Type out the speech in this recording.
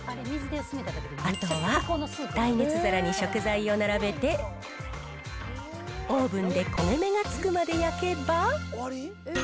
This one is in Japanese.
あとは耐熱皿に食材を並べて、オーブンで焦げ目がつくまで焼けば。